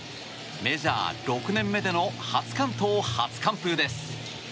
メジャー６年目での初完投・初完封です。